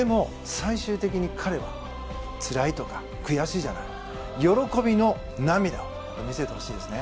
最終的に彼は「つらい」とか「悔しい」じゃない「喜び」の涙を見せてほしいですね。